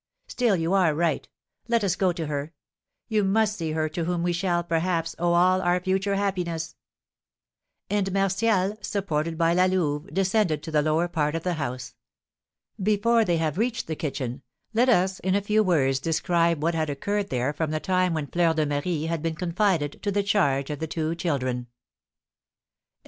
Still you are right; let us go to her. You must see her to whom we shall, perhaps, owe all our future happiness." And Martial, supported by La Louve, descended to the lower part of the house. Before they have reached the kitchen, let us in a few words describe what had occurred there from the time when Fleur de Marie had been confided to the charge of the two children.